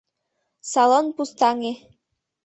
Салон пустаҥе.